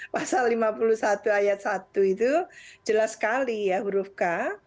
pasal lima puluh satu ayat satu itu jelas sekali ya huruf k